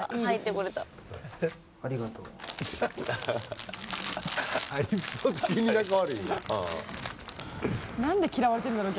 これた何で嫌われてんだろう